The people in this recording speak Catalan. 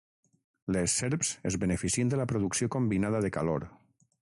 Les serps es beneficien de la producció combinada de calor.